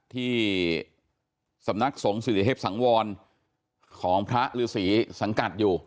ที่สำนักสงฆ์ศิริเทพสังวรของพระฤษีสังกัดอยู่